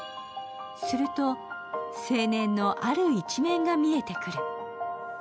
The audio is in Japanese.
すると青年のある一面が見えてくる。